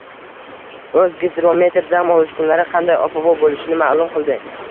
O‘zgidromet dam olish kunlari qanday ob-havo bo‘lishini ma’lum qildi